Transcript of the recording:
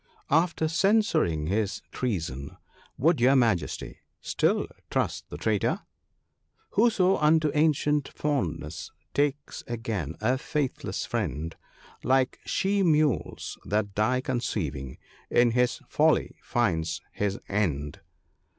After censuring his treason, would your Majesty still trust the traitor ?—" Whoso unto ancient fondness takes again a faithless friend, Like she mules that die conceiving, in his folly finds his end."